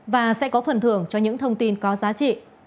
và sẽ có phần thưởng cho những thông tin có giá trị